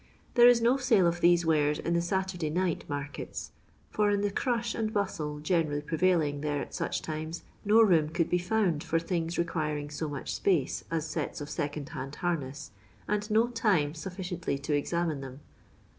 There is no sale of these wares in the Saturday night markets, for in the crush and bustle generally prevailing there at such times, no room could be found for things requiring so much space as sets of second hand harness, and no time suffi ciently to examine them.